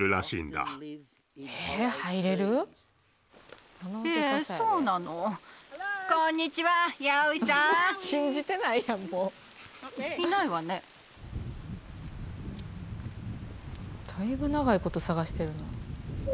だいぶ長いこと探してるな。